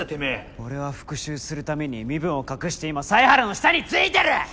俺は復讐するために身分を隠して今犀原の下に付いてる！